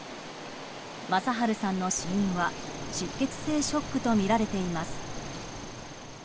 正春さんの死因は出血性ショックとみられています。